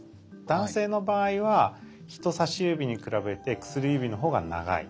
男性の場合は人差し指に比べて薬指のほうが長い。